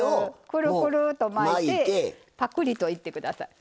くるくると巻いてぱくりといって下さい。